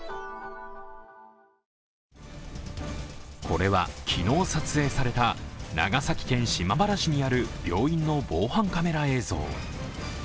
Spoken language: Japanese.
これは昨日撮影された長崎県島原市にある病院の防犯カメラ映像。